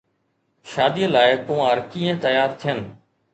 شاديءَ لاءِ ڪنوار ڪيئن تيار ٿين؟